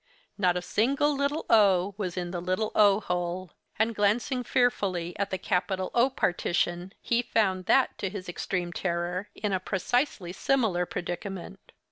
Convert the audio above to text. Not a single little o was in the little o hole; and, glancing fearfully at the capital O partition, he found that, to his extreme terror, in a precisely similar predicament.